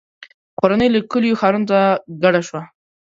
• کورنۍ له کلیو ښارونو ته کډه شوه.